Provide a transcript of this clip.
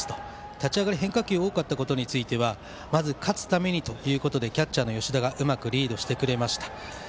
立ち上がり、変化球が多かったことについてはまず勝つためにということでキャッチャーの吉田がうまくリードしてくれました。